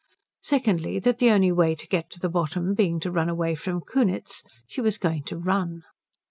Secondly, that the only way to get to the bottom being to run away from Kunitz, she was going to run.